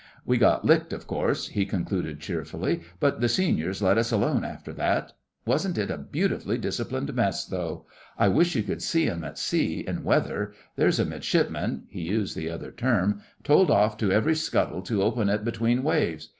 'We got licked, of course,' he concluded cheerfully, 'but the seniors let us alone after that. Wasn't it a beautifully disciplined Mess, though? I wish you could see 'em at sea in weather. There's a Midshipman (he used the other term) told off to every scuttle to open it between waves.